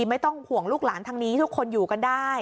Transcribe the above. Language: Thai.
ไม่ต้องห่วงลูกหลานทางนี้ทุกคนอยู่กันได้